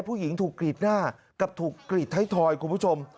ผู้หญิงถูกกรีดหน้ากับถูกกรีดไทยทอยคุณผู้ชม